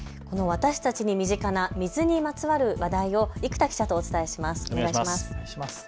私たちに身近な水にまつわる話題を生田記者とお伝えします。